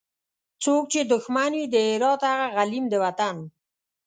څوک چي دښمن وي د هرات هغه غلیم د وطن